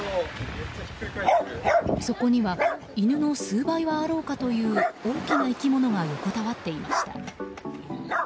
そこには犬の数倍はあろうかという大きな生き物が横たわっていました。